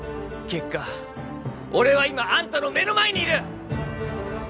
結果俺は今アンタの目の前にいる！